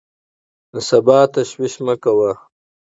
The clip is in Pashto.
د سبا تشویش مه کوه!